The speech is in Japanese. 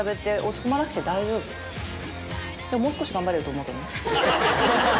でも。